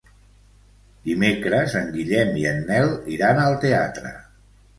Dimecres en Guillem i en Nel iran al teatre.